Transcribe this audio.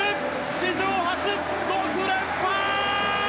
史上初、６連覇！